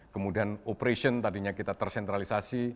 kemudian operation tadinya kita tersentralisasi